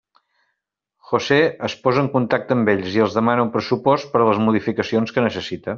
José es posa en contacte amb ells, i els demana un pressupost per a les modificacions que necessita.